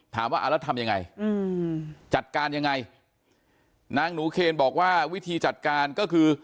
ถามว่าเอาแล้วทำยังไงจัดการยังไงนางหนูเคนบอกว่าวิธีจัดการก็คือ